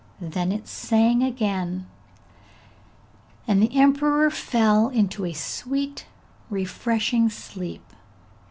Then it sang again, and the emperor fell into a sweet refreshing sleep.